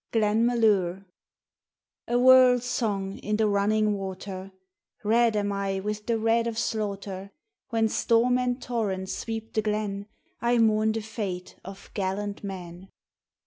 (Blenmalure A WORLD SONG in the running water :" Red am I with the red of slaughter.^ When storm and torrent sweep the Glen I mourn the fate of gallant men.